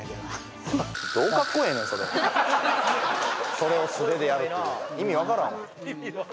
それを素手でやるって意味わからん